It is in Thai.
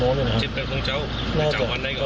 ๗๘โมงเจ้าน่าจะจับวันได้ก่อน